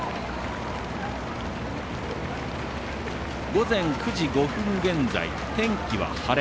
午前９時５分現在、天気は晴れ。